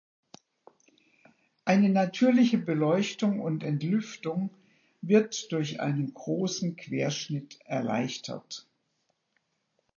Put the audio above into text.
Eine natürliche Beleuchtung und Entlüftung wird durch einen großen Querschnitt erleichtert.